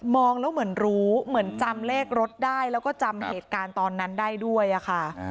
แล้วเหมือนรู้เหมือนจำเลขรถได้แล้วก็จำเหตุการณ์ตอนนั้นได้ด้วยอะค่ะ